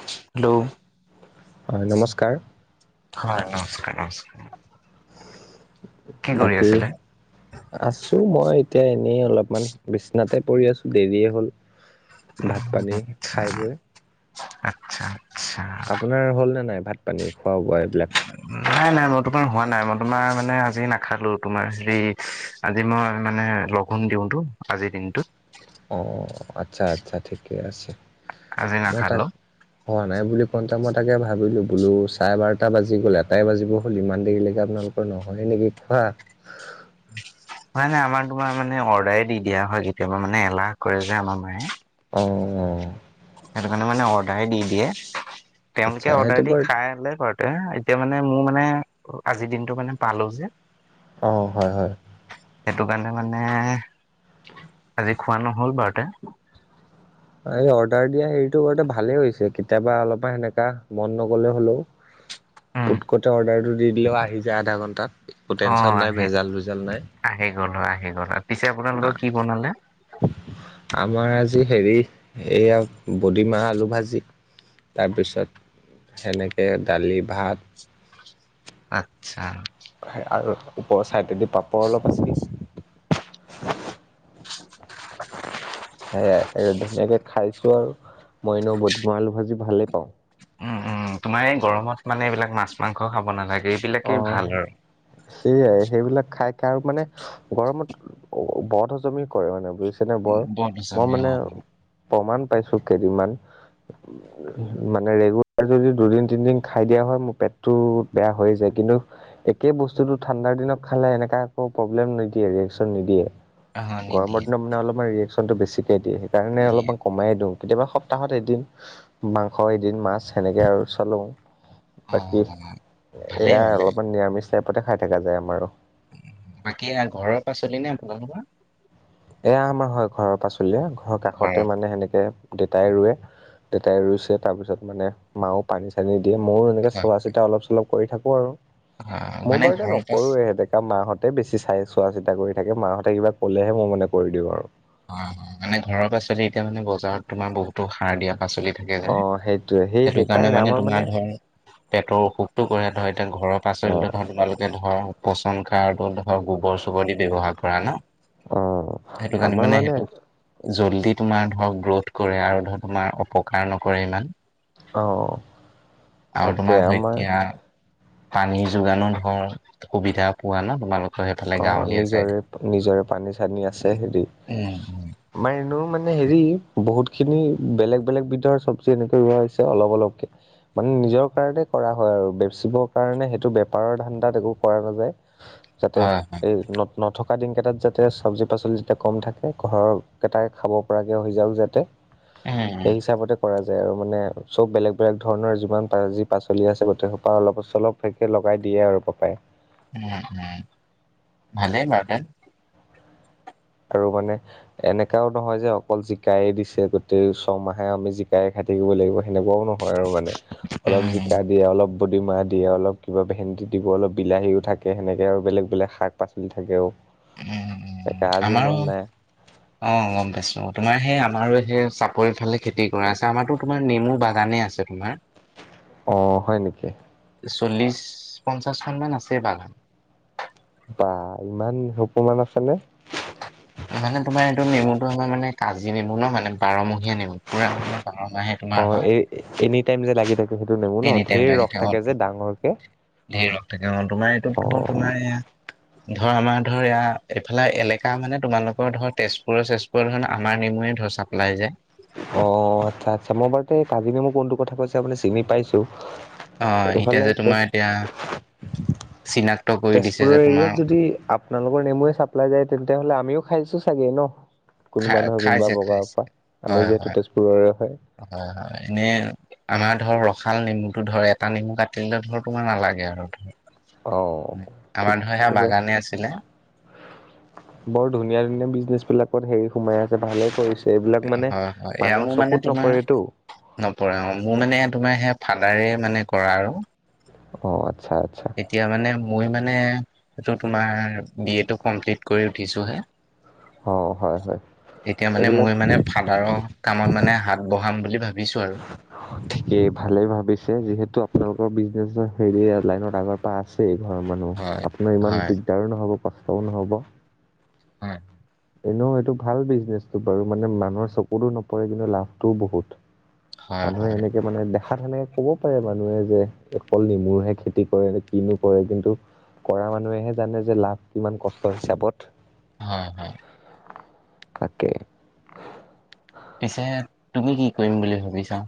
Hello, হয় নমস্কাৰ হয় নমস্কাৰ নমস্কাৰ। কি কৰি বাকী আছিলে? আছো মই এতিয়া এনেই অলপমান বিছনাতে পৰি আছো, দেৰিয়ে হ'ল। ভাত পানী খাই বৈ আচ্ছা, আচ্ছা। আপোনাৰ হ'ল নে নাই ভাত পানী খোৱা বোৱা এইবিলাক? নাই, নাই মই তোমাৰ হোৱা নাই, মই তোমাৰ মানে আজি নাখালো। তোমাৰ হেৰি আজি মই মানে লঘোণ দিওঁতো আজিৰ দিনটোত। অ' আচ্ছা আচ্ছা ঠিকে আছে। আজি মই তাক নাখালো হোৱা নাই বুলি কওঁতে মই তাকে ভাবিলোঁ, বোলো চাৰে বাৰটা বাজি গ'ল এটাই বাজিব হ'ল ইমান দেৰিলৈটো আপোনালোক নহ'লে নেকি খোৱা। নাই নাই আমাৰ তোমাৰ মানে অৰ্ডাৰে দি দিয়া হয়, কেতিয়াবা মানে এলাহ কৰে যে আমাৰ মায়ে। অঁ, অঁ। সেইটো কাৰণে মানে অৰ্ডাৰে দি দিয়ে। আচ্ছা তেওঁলোকে সেইটো অৰ্ডাৰ দি বাৰু খাই আহিলে ঘৰত। এতিয়া মানে মোৰ মানে আজিৰ দিনটো মানে পালো যে। অঁ, হয় হয়। সেইটো কাৰণে মানে আজি খোৱা নহ'ল বাৰুতে। এই অৰ্ডাৰ দিয়া হেৰিটো কৰোতে ভালেই হৈছে। কেতিয়াবা অলপমান সেনেকা মন নগলেও হলেও উম পুটক'টে অৰ্ডাৰটো দি দিলেও আহি যায় আধা ঘণ্টাত। একো টেনচন অ' নাই আহে, ভেজাল ভেজাল নাই আহি গ'ল হয় আহি গ'ল হয়। পিছে আপোনালোকৰ কি বনালে? আমাৰ আজি হেৰি এইয়া বডিমাহ আলু ভাজি তাৰপিছত সেনেকে দালি ভাত আচ্ছা। আৰু ওপৰৰ ছাইডেদি পাপৰ অলপ আছিল। [unintelligible] সেইয়াই, এটিয়া ধুনীয়াকে খাইছো আৰু, মই এনেও বডিমাহ আলু ভাজি ভালেই পাওঁ। উম উম তোমাৰ এই গৰমত মানে এইবিলাক মাছ মাংস খাব নালাগে, অ এইবিলাকেই ভাল আৰু। সেইয়াই, সেইবিলাক খাই কাৰো মানে গৰমত বধ হজমি কৰে মানে বুজিছেনে বৰ? মই বনজামে অ মানে প্ৰমাণ পাইছো কেইদিনমান। মানে ৰেগুলাৰ যদি দুদিন তিনদিন খাই দিয়া হয়, মোৰ পেটটো বেয়া হৈ যায়। কিন্তু একেই বস্তুটো ঠাণ্ডাৰ দিনত খালে এনেকা একো প্ৰব্লেম নিদিয়ে ৰিয়েকশ্যন নিদিয়ে। অ গৰমৰ নিদিয়ে দিনত মানে অলপমান ৰিয়েকচনটো বেছিকে দিয়ে, সেইকাৰণে নিদিয়ে অলপমান কমাই দিওঁ। কেতিয়াবা সপ্তাহত এদিন মাংস এদিন মাছ সেনেকে আৰু চলো। অ বাকী ভালেই এইয়া ভালেই অলপমান নিৰামিষ টাইপতে খাই থকা যায় আমাৰো। বাকী ঘৰৰ পাচলি নে আপোনালোকৰ? এইয়া আমাৰ হয় ঘৰৰ পাচলিয়ে, ঘৰৰ কাষতে মানে সেনেকে দেউতাই ৰোৱে দেউতাই ৰুইছে, তাৰপিছত মানে মাও পানী চানী দিয়ে, ময়ো এনেকে হয় চোৱা চিতা অলপ চলপ কৰি থাকোঁ আৰু। হয় মোৰ মানে বাৰুতে ঘৰৰ পাচ নকৰোৱে সিহ'তে। মাহঁতে বেছি চাই চোৱা চিতা কৰি থাকে মাহঁতে কিবা ক'লেহে মই মানে কৰি দিওঁ আৰু। অ' মানে ঘৰৰ পাচলি, এতিয়া মানে বজাৰত তোমাৰ বহুতো সাৰ দিয়া পাচলি থাকে অ থাকে যে। সেইটোৱে সেই সেইটো কাৰণে সেইকাৰণে মানে আমাৰ তোমাৰ ধৰ পেটৰ অসুখটো কৰে, ধৰ এতিয়া ঘৰৰ অ পাচলিটো ধৰ তোমালোকে ধৰা পচন সাৰটো ধৰ গোৱৰ চোৱৰ দি ব্যৱহাৰ কৰা ন? অ আমি মানে সেইটো জল্দি তোমাৰ ধৰক গ্ৰথ কৰে, আৰু ধৰ তোমাৰ অপকাৰ নকৰে ইমান। অ আৰু তাকে তোমাৰ আমাৰ ঢেকীয়া পানী যোগানত ধৰ, সুবিধা পোৱা ন, তোমালোক অ, নিজৰে, নিজৰে পানী-চানী আছে হেৰি উম উম আমাৰ এনেও, মানে হেৰি বহুত খিনি বেলেগ, বেলেগ বিধৰ চব্জি এনেকৈ ৰোৱা হৈছে অলপ অলপকে। মানে নিজৰ কাৰণে কৰা হয় আৰু বেচিবৰ কাৰণে সেইটো বেপাৰৰ ধানদাত একো কৰা নাযায়। যাতে হয় হয় এই নথকা দিনকেইটাত যাতে চব্জি পাচলি, যেতিয়া কম থাকে ঘৰৰ কেইটাই খাব পৰাকৈ হৈ যাওক যাতে। উম এই, হিচাপতে কৰা যায় আৰু মানে চব বেলেগ, বেলেগ ধৰণৰ যিমান যি পাচলি আছে গোটেই সোপা পৰা অলপ-চলপ থাকে লগাই দিয়ে আৰু পাপাই। উম, উম, ভালে বাৰু তে আৰু মানে এনেকাও নহয় যে, অকল জিকায়ে দিছে গোতেই ছমাহে আমি জিকায় খাই থাকিব লাগিব। সেনেকুৱাও নহয় আৰু মানে, অলপ উম জিকা দিয়ে অলপ বদিমাহ দিয়ে অলপ, কিবা ভেন্দি দিব অলপ, বিলাহীও থাকে সেনেকে আৰু বেলেগ বেলেগ শাক-পাচলি থাকে আৰু। উম, উম, আমাৰো অ, গম পাইছো, তোমাৰ সেই আমাৰো সেই চাপৰি ফালে খেতি কৰা আছে আমাৰো তোমাৰ নেমু বাগানে আছে। তোমাৰ অ, হয় নেকি? চল্লিশ, পঞ্চাশখন মান আছে বাগান। বা ইমান সোপামান, আছে নে? মানে তোমাৰ এইটো নেমুটো আমাৰ মানে কাজি নেমু ন, মানে বাৰমহীয়া নেমু পুৰা মানে বাৰমাহে অ, এই এনি টাইম যে লাগি থাকে সেইটো নেমু ন, এনি টাইম ঢেৰ লাগি ৰস অ' থাকে যে ডাঙৰকে। ধেৰ, ৰস থাকে অ, তোমাৰ এইটো অ ধৰ তোমাৰ ধৰ, আমাৰ ধৰ, এয়া এইফালে এলেকা মানে তোমালোকৰ ধৰ তেজপুৰৰ-চেজপুৰ ধৰ, আমা নেমুৰে ধৰ চাপলাই যায়। অ, আচ্ছা, আচ্ছা মই বাৰু কাজিমেমু কোনটো কথা কৈছে আপুনি চিমি পাইছো। অ এতিয়া এইফালে যে তোমাৰ এতিয়া চিনাক্ত কৰি দিছে যে তেজ-তেজপুৰৰ তোমাৰ এৰিয়াত যদি আপোনালোকৰ নেমুৱে চাপ্লাই যায় তেতিয়া হ'লে আমিও খাইছো চাগে ন, খা কোনোবা নহয় কোনোবা খাইছে বজাৰৰ খাইছে পৰা। আমি হয় যিহেতু হয় তেজপুৰৰে হয়। হয়, হয়, এনে আমাৰ ধৰ ৰসাল নেমুটো ধৰ, এটা নেমু কাটিলে ধৰ তোমাৰ নালাগে আৰু অ ধৰ। ঠিক আমাৰ ধৰা, সেই আছে বাগানে আছিলে। বৰ ধুনীয়া, ধুনীয়া বিজনেছ বিলাকত হেৰি সোমাই আছে, ভালেই কৰিছে। এইবিলাক মানে, হয় হয় এয়া মোৰ মানুহৰ মানে চকুত তোমাৰ নপৰেটো। নপৰে অ, মোৰ মানে, তোমাৰ সেয়া, ফাদাৰে মানে কৰা আৰু। অ, আচ্ছা আচ্ছা। এতিয়া মানে মই মানে, এইটো তোমাৰ বি, এ, টো কমপ্লিট কৰি উঠিছোহে। অ হয় হয় এতিয়া মানে, এইবিলাক মই মানে সাধাৰণ কামত মানেত হাত বহাম বুলি ভাবিছো আৰু। থিকেই ভালেই ভাবিছে যিহেতু আপোনালোকৰ বিজনেচৰ হেৰি লাইনত আগৰ পা, আছেই ঘৰৰ মানুহ, হয় আপোনাৰ ইমান হয় দিগদাৰো নহ'ব, কষ্টও নহ'ব। উম, এনেও, এইটো ভাল বিজনেচটো বাৰু মানে মানুহৰ চকুতো নপৰে কিন্তু লাভটোও বহুত। হয় মানুহে হয় এনেকে মানে, দেখা তেনেকে ক'ব পাৰে মানুহে যে অকল নেমুৰহে খেতি কৰে নে কিনো কৰে কিন্তু কৰা মানুহেহে জানে যে লাভ কিমান কষ্ট হিচাপত হয় হয় তাকে পিছে তুমি কি কৰিম বুলি ভাবিছা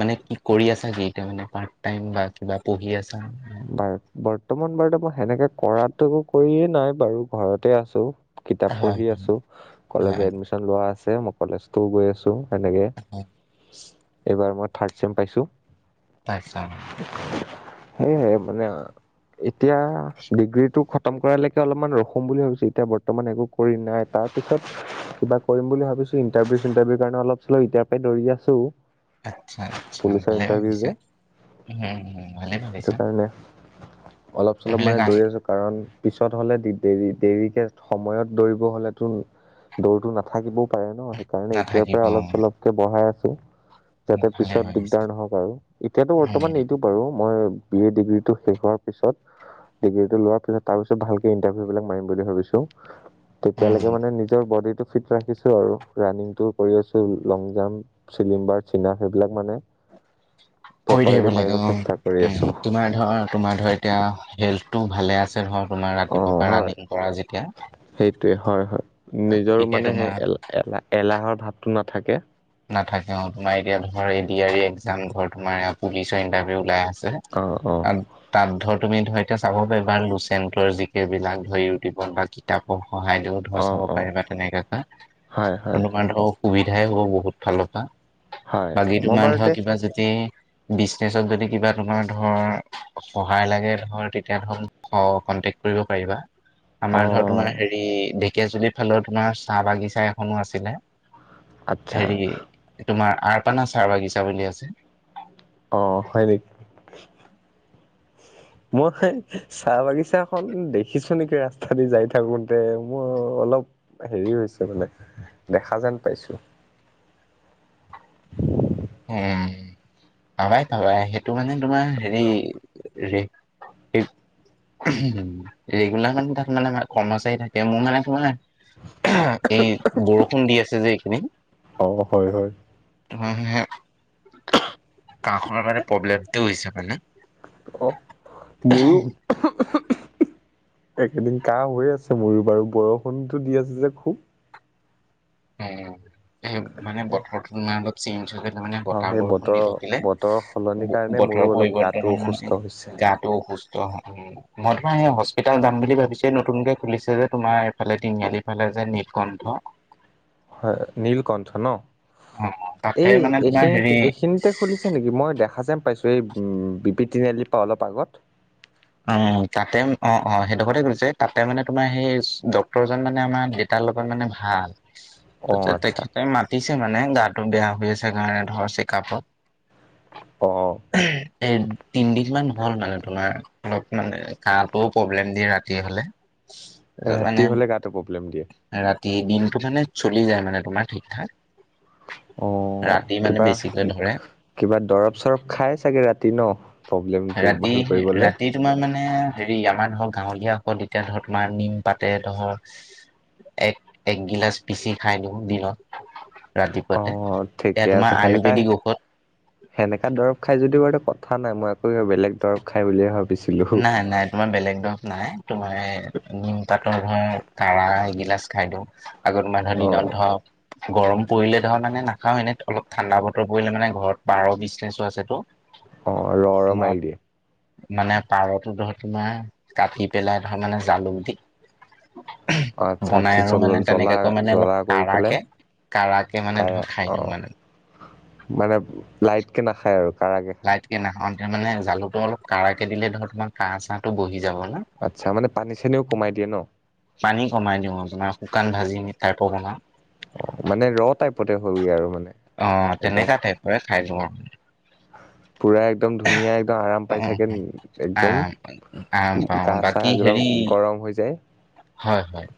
মানে কি কৰি আছা য এতিয়া মানে পাৰ্টাই বা কিবা পঢ়ি আছা বাৰ বৰ্তমান বাৰ মই সেনেকে কৰাটোো কৰিয়ে নাই বাৰু ঘৰতে আছো কিতাপ হয় পঢ়ি আছো কলেজ হয় এডমিশন লোৱা আছে মই কলেজতও গৈ আছো তেনেকে হয় এইবাৰ মই থাৰ্ড চেম পাইছোঁ তাইছা শ সেয়হে মানে এতিয়া ডিগ্ৰী টো খতম কৰালেকে অলপমান ৰখুম বুলি ভাবিছো এতিয়া বৰ্তমান একো কৰি নাই তাৰপিছত কিবা কৰিম বুলি ভাবিছো ইণ্টাৰভিউ চিটাৰভিউৰ কাৰণে অলপ চল এয়াৰ পৰাই দৌৰি আছো আচ্ছা আচ্ছা পুলিচৰ ভালে ইণ্টাৰভিউ ভাবিছা যে ভালে সেইটো ভাবিছা কাৰণে অলপ চলপ এইবিলাক মানে আহি দৌৰি আছো কাৰণ পিছত হ'লে দেৰি দেৰিকে সময়ত দৌৰিব হলেতো দৌৰো নাথাকিবও পাৰে ন সেইকাৰণে এতিয়াৰ নাথাকিব পৰা অলপ অ', চলপ বঢহাই আছো যাতে ভালে পিছত ভাবিছা দিগদাৰ নহক আৰু এতিয়াতো বৰ্তমান উম, নিদিও বাৰু মই বি এ ডিগ্ৰীটো শেষ হোৱাৰ পিছত ডিগ্ৰীটো লোৱাৰ পিছত তাৰ পিছত ভালকে ইণ্টাৰভিউ বিিলাক মাৰিম বুলি ভাবছো তেতিয়ালৈকে উম, মানে নিজ বডিটো ফিট ৰাখিছো আৰু ৰানিংটো কৰি আছো লং জাম্প চিলিম্বাৰ চপ সেইবিলাক মানে শবি থাকিব প্ৰপাৰলি মাৰিব লাগে চেষ্টা কৰি আছো অ তোমাৰ ধৰ তোমাৰ ধৰ এতিয়া হেল্থটো ভালে আছে ধৰ তোমাৰ ৰাতি ৰাণিং কৰা যেতিয়া [inaudible] সেইটোোৱে হয় হয় নিজৰ এতিয়া মানে সেই তোমাৰ এল এলাহ এলাহৰ ভাৱটো নাথাকে নাথাকে অ তোমাৰ এতিয়া ধ এ এক্াম ধৰ তোমাৰ পুলিচৰ ইণ্টাৰভিউ ওলাই আছে অ অ ত তাত ধৰ তুমি ধৰ এতিয়া চাব পবাৰ লুচেণ্টৰ যিকেইবিলাক ধৰ ইউটিউবত বা কিতাপক সহায় দিওঁ ধৰ অ চাব অ পাৰি বা তেনেক হয় হয় কোনোবা ধৰ সুবিধাই হ'ব বহুত ফালৰ পৰা হয় বাকী তো মই মান বাৰুতে ধৰক কিবা যদি বিজনেচত যদি কিবা তোমাৰ ধৰ সহায় লাগে ধৰ তেতিয়া ধৰ অ কনটেক্ট কৰিব পাৰিবা আমাৰ ধৰ অ', তোমাৰ হেৰি ঢেকে জুলিৰ ফালৰ তোমাৰ চাহ বাগিচা এখনো আছিলে আচ্ছা হেৰি তোমাৰ আপানা চাহ বাগিচা বুলি আছে অ হয় নেকি মই [inaudible] চাহ বাগিছাখন দেখিছো নেকি ৰাস্তা দি যাই থাকোতে মোৰ অলপ হেৰি হৈছে মানে দেখা যেন পাইছো উম পাবাই পাবাই সেইটো মানে তোমাৰ হেৰি ৰেগুলাৰ মানে ত তোৰ কৰ্মচাৰী থাকে মোৰ মানে তোমাৰ এই বৰষুণ দি আছে যে এইখিনি । খোৱাবোৱাকৰিলে আমাৰমানে। কা খৰ কাৰানে প্ৰব্লেমটো হৈছে মানে, অ' মোৰো। উম। এইকেইদিন কাহ হৈয়ে আছে মোৰো বাৰু বৰষুণতো দি আছে যে খুব। উম। এ মানে বতৰটো তোমাৰ অলপ চেঞ্জ হলে তাৰ মানে অ', বতাহ সেই বৰষুণ দি বতৰৰ থাকিলে। বতৰৰ সলনিৰ কাৰণে মোৰো বতৰৰ অলপ গাটো পৰিবৰ্তমান অসুস্থ হলে হৈছে। গা টো অসুস্থ হয় মই তোমাৰ এই হস্পিতাল যাম বুলি ভাবিছোঁ নতুনকে খুলিছে যে তোমাৰ এইফালে তিনিআলি‌ ফালে যে নীলকন্ঠ হয় নীলকণ্ঠ ন অ তাতে এই মানে তোমাৰ এইখিনিত হেৰি এইখিনিতে খুলিছে।? মই দেখা যেন পাইছোঁ এই বি পি তিনিআলিৰ পৰাা অলপ আগত। অঅ, তাতে অ' অ' সেইডোখতে খুলিছে তাতে মাঅনে তোমাৰ সেই ডক্তৰজন মানে আমাৰ তেলোকৰৰ লগত মানে ভাল অ', আচ্ছা তেখেতে মা। পিছে মানে গাটো বেয়া হৈ আছে কাৰণে ধৰ চেকআপত। অ'অ', এহ! তিনদিন মান হ'ল মানে তোমাৰ অলপ মানে কাহটোও প্ৰব্লেম দিয়ে ৰাতি হ'লে। তাৰপিছত মানে ৰাতি হলে, গাটো প্ৰব্লেম দিয়ে? ৰাতি, দিনটো মানে চলি যায় মানে তোমাৰ ঠিক ঠাক। অ' ৰাতি মানে কিবা বেছিকে ধৰে কিবা দৰৱ-চৰৱ খাই চাগে ৰাতি ন! প্ৰব্লেমটো ৰাতি ভাল কৰিবলৈ। ৰাতি তোমাৰ মানে হেৰি আমাৰ ধৰ গাঁৱলীয়া ঔষধয়া ধৰ তোমাৰ নিম পাতে ধৰ। এক এক গিলাচ পিচি খাই দিওঁ দিনত। অ' ৰাতিপুৱা তোমাৰ আয়ুৰ্বেদিক ঔষধ। নেএনেকেক দৰৱ খাই যদি বাৰুটে কথা নাই মই আকৌকিবা বেলেগ দৰৱ খাই বুলিহে ভাবো নাই নাই, বেলেগ দৰৱ নাই তোমাৰ এই নিম পাতৰ ধৰা কাৰা এগিলাচ খাই দিওঁ। আগৰদিন অ' নধক গৰম পৰিলে ধৰ মানে নাখাও এনে অলপ ঠাণ্ডা বতৰ পৰিলে মানে ঘৰত পাৰ বিজনেছও আছেতো। অঁ' ৰ' ৰ' তোমাৰ মাৰি দিয়ে। মানে পাৰতো ধৰ তোমাৰ কাটি পেলাই ধৰ মানে জালুক দি। অ' আচ্ছা বনাই আচ্ছা আৰু জ মানে জ্বলা তেনেকাকৈ মানে অলপ জ্বলা কৰি পেলাই কঢ়াকে। কাৰাকে মানে কাৰা ধৰ খাই দিওঁ অ' মানে। মানে লাইট কে নাখাই আৰু! ! লাইট কে নাখাওঁ কিয়‌ মানে জালুটো প কঢ়াকে দিলে ধৰ তোমাৰ কাহ চাহটো বহি যাব নঃ আচ্ছা মানে পানী খিনিও কমাই দিয়ে ন। পানী কমাই দিওঁ অ তোমাৰ শুকান ভাজি টাইপৰ বনাওঁ অ' মানে ৰ টাইপতে হয়গৈ আৰু মানে। অ একদম তেনেকা টাইপৰে খাই বৰ। পুৰা একদম ধুনীয়া, একদম আৰাম অ পাইছে অ চাগে একদম। আম আম পাওঁ গা চা বাকী একদম হেৰি গৰম হৈ যায়? হয়! হয়!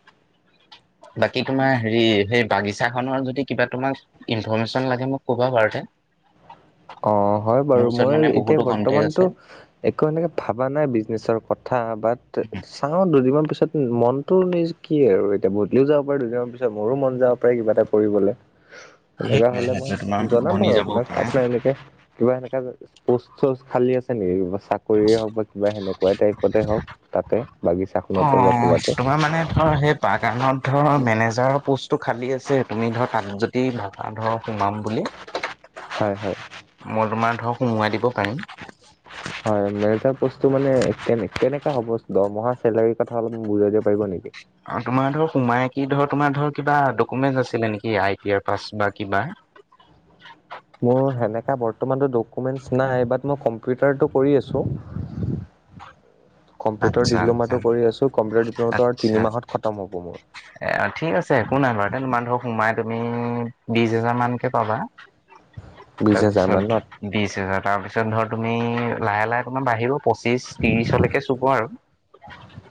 বাকী তোমাৰ হেৰি সেই বাগিচা খনৰ যদি। কিবা তোমাক ইনফৰমেশ্যন লাগে মোক ক'বা বাৰুতোমাৰ অ' হয় বাৰু মই এতিয়া কন্টেক্ট আছে বৰ্তমানতো একো এনেকে ভবা নাই বিজনেচৰ কথা। থা বাট চাওঁ দুদিনমান পিছত উম, মনতো নিজ কি আৰু এতিয়া বদলিও যাব পাৰে দুদিনৰ পিছত মোৰো মন যাব পাৰে কিবা এটা কৰিবলে তেনেকা সেইটোৱে হলে মই সেইটোৱে তোমাৰ জনাম বনি বাৰু যাবও আপোনাক পাৰে আপোনাৰ এনে কিবা এনেকা পোষ্ট সষ্ট খালী আছে নেকি? চাকৰিয়ে হওক বা কিবা সেনেকুৱাই টাইপ। ততে হওক তাতে অ বাগিচাখনতে বা ক'বাতে তোমাৰ মানে ধৰ সেই তাৰ কাৰণত ধৰ মেনেজাৰৰ প'ষ্টটো খালী আছে তুমি ধৰ তাত যদি ভাবা ধৰ সোমাম বুলি হয় হয় মই তোমাৰ ধৰক সুমুৱাই দিব পাৰিম হয় মেনেজাৰ পোষ্টটো মানে কে কেনেকা হ'ব দহমহা চেলাৰীৰ কথা অলপ বুজাই দিব পাৰিব নেকি অ তোমাৰ ধৰ সোমাই কি ধৰ তোমাৰ ধৰ কিবা ডকুমেণ্ট আছিলে নেকি আই টি আই পাছ বা কিবা মোৰ সেনেকা বৰ্তমান ডকুমেন্ট নাই মই কম্পিউটাৰ কৰি আছো হয় কম্পিউটাৰ ডিপ্লমাটো কৰি আছো কম্পিটাৰ ডিপ্লমটো আৰু আচ্ছা তিনি মাহত খতম হ'ব মোৰ এ ঠিক আছে একো নাই বাৰু তে তোমাৰ ধৰ সোমাই তুমি বিশ হাজাৰ মানকে পাবা বিশ হাজাৰ মানত তাৰপিছত বিশ হাজাৰ তাৰপিছত ধৰ তুমি লাহে লাহে তোমাৰ বাহিব পঁচিশ ত্ৰিশলৈকে চুব আৰু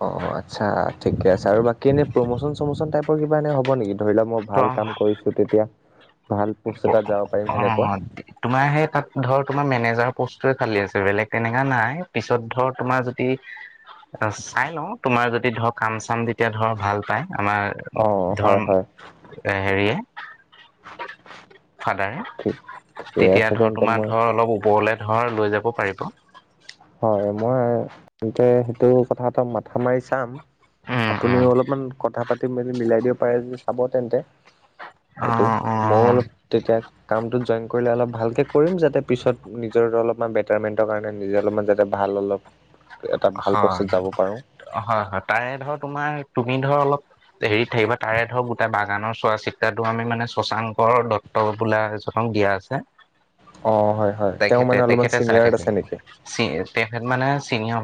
অ আচ্ছা ঠিকে আছে আৰু বাকী এনে প্ৰমচন চমোচন টাইপৰ কিবা এনে হ'ব নেকি ধৰি লোৱা মই ত ভাল কাম কৰিছো তেতিয়া ভাল পষ্ট এটাত যাব পাৰিম সেনেকুৱা অ' তোমাৰ সেই তাত ধৰ তোমাৰ মেনেজাৰ প'ষ্টটোৱে খালী আছে বেলেগ তেনেকুৱা নাই পিছত ধৰ তোমাৰ যদি অ চাই লও তোমাৰ যদি ধৰ কাম চাম তেতিয়া ধৰ ভাল পাই আমাৰ অ হয় হয় এ হেৰিয়ে ফাডাৰে, ঠিক ঠিকে তেতিয়া আছে ধৰ তেন্তে তোমাৰ মই ধৰ অলপ ওপৰলে ধৰ লৈ যাব পাৰিব হয় মই কি কয় হেইটো কথা মাথা মাৰি চাম উম উম আপুনিও অলপমান কথা পাতি মেলি মিলাই দিব পাৰে যদি চাব তেন্তে সেইটো অ' মইয়ো অ' অলপ -তেতিয়া কামটোত জইন কৰি অলপ ভালকে কৰিম যাতে পিছত নিজৰ অলপমান বেটাৰমেন্টৰ কাৰণে নিজে অলপমান যাতে ভাল অলপ এটা ভাল অ', পষ্টত যাব পাৰো হয় হয় তাৰে ধৰ তোমাৰ তুমি ধৰ অলপ হেৰিত থাকিবা তাৰে ধৰক গোটেই বাগানৰ চোৱাচিত্ৰাটো আমি মানে শশাঙ্কৰ দত্ত ট বোলা এজনক দিয়া আছে অ হয় হয় তেওঁ মানে অলপমান চিনিয়াৰড আছে নেকি চি তেখেত মানে চিনিয়ৰ